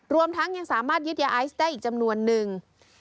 รวมทั้งยังสามารถยึดยาไอซ์ได้อีกจำนวนนึง